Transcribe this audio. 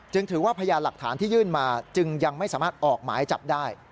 ถือว่าพยานหลักฐานที่ยื่นมาจึงยังไม่สามารถออกหมายจับได้